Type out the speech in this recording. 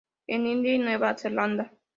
En India y Nueva Zelanda.